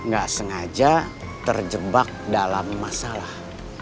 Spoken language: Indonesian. gak sengaja terjebak dalam masalah